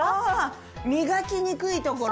ああ磨きにくい所！